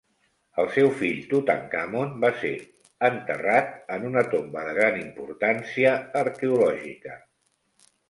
El seu fill Tutankamon va ser enterrat en una tomba de gran importància arqueològica.